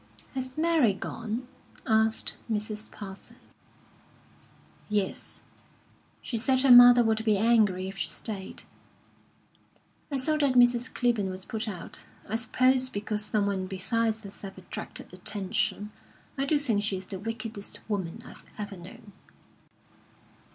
"Has Mary gone?" asked Mrs. Parsons. "Yes. She said her mother would be angry if she stayed." "I saw that Mrs. Clibborn was put out. I suppose because someone besides herself attracted attention. I do think she is the wickedest woman I've ever known."